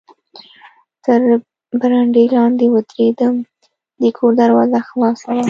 تر برنډې لاندې و درېدم، د کور دروازه خلاصه وه.